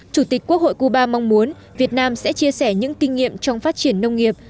chủ tịch quốc hội cuba mong muốn việt nam sẽ chia sẻ những kinh nghiệm trong phát triển nông nghiệp